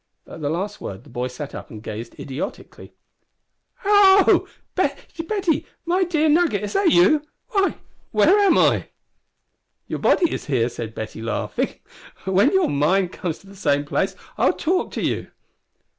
At the last word the boy sat up and gazed idiotically. "Hallo! Betty my dear Nugget is that you? Why, where am I?" "Your body is here," said Betty, laughing. "When your mind comes to the same place I'll talk to you."